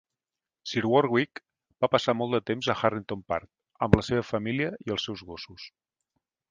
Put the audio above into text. Sir Warwick va passar molt de temps a Harrington Park amb la seva família i els seus gossos.